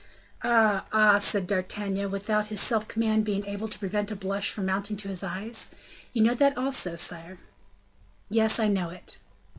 "Ah, ah!" said D'Artagnan, without his self command being able to prevent a blush from mounting to his eyes "you know that also, sire?" "Yes, I know it."